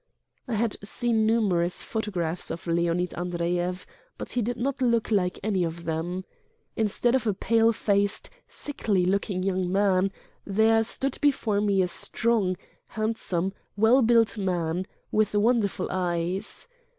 I had seen numerous photographs of Leonid Andreyev, but he did not look like any of them. Instead of a pale faced, sickly looking young man, there stood before me a strong, handsome, well built man, with wonderful eyes.